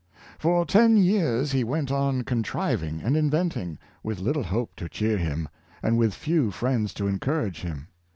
For ten years he went on contriving and inventing — with little hope to cheer him, and with few friends to encourage him.